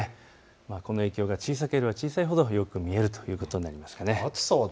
この影響の小さければ小さいほどよく見えるということになりますね。